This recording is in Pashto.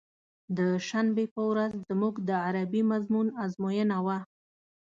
د شنبې په ورځ زموږ د عربي مضمون ازموينه وه.